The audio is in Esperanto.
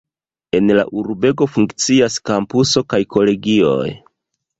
En la urbego funkcias kampuso kaj kolegioj.